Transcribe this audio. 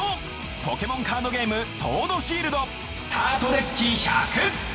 ポケモンカードゲームソードシールドスタートデッキ１００。